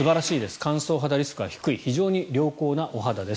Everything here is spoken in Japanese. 乾燥肌リスクは低い非常に良好なお肌です。